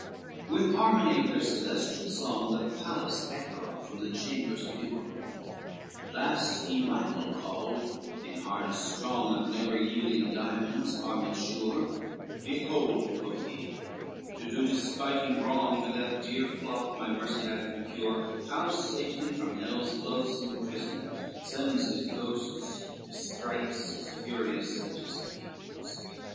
LVIII With harmony of their celestial song The palace echoed from the chambers pure, At last he Michael called, in harness strong Of never yielding diamonds armed sure, "Behold," quoth he, "to do despite and wrong To that dear flock my mercy hath in cure, How Satan from hell's loathsome prison sends His ghosts, his sprites, his furies and his fiends.